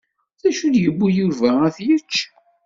D acu i d-yewwi Yuba ad t-yečč?